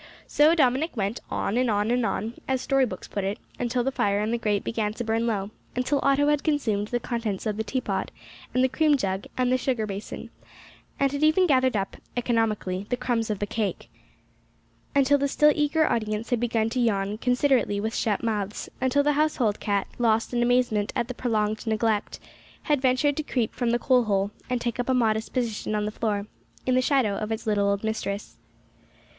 So Dominick went, "on and on and on," as story books put it, until the fire in the grate began to burn low; until Otto had consumed the contents of the teapot, and the cream jug, and the sugar basin, and had even gathered up, economically, the crumbs of the cake; until the still eager audience had begun to yawn considerately with shut mouths; until the household cat, lost in amazement at prolonged neglect, had ventured to creep from the coal hole, and take up a modest position on the floor, in the shadow of its little old mistress.